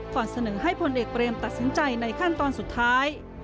เสนอให้พลเอกเบรมตัดสินใจในขั้นตอนสุดท้าย